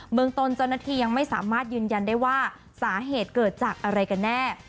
เมืองตนเจ้าหน้าที่ยังไม่สามารถยืนยันได้ว่าสาเหตุเกิดจากอะไรกันแน่